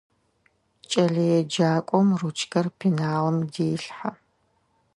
КӀэлэеджакӀом ручкэр пеналым делъхьэ.